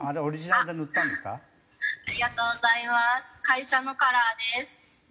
会社のカラーです。